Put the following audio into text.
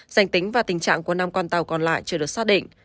danh tính và tình trạng của năm con tàu còn lại chưa được xác định